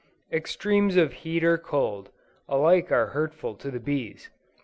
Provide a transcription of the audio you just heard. "Extremes of heat or cold, alike are hurtful to the bees."